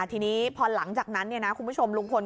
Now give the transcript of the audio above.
ทีนี้พอหลังจากนั้นคุณผู้ชมลุงพล